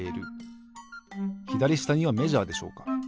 ひだりしたにはメジャーでしょうか。